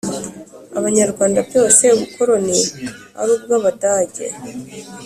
Abanyarwanda byose Ubukoroni ari ubw Abadage